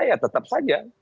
kita ya tetap saja